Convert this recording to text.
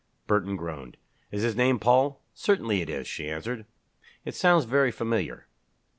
Burton groaned. "Is his name Paul?" "Certainly it is," she answered. "It sounds very familiar."